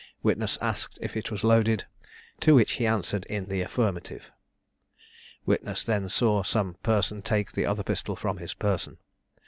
Witness asked if it was loaded? to which he answered in the affirmative. Witness then saw some person take the other pistol from his person.